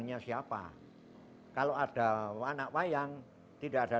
mempunyai peluang mikrofon pianis dua ah